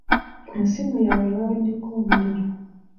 Essimu yange yaweddeko omuliro.